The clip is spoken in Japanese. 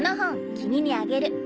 君にあげる。